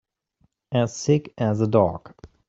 As sick as a dog.